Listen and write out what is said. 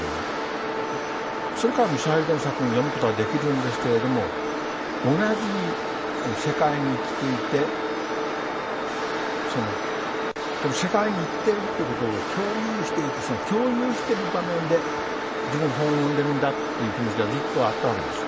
それからもサイードの作品を読むことはできるんですけれども同じ世界に生きていてこの世界に生きてるということを共有していてその共有してる場面で自分が本を読んでるんだっていう気持ちがずっとあったわけです。